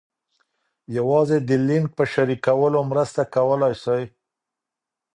یوازې د لینک په شریکولو مرسته کولای سئ.